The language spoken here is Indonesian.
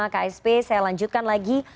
ksp saya lanjutkan lagi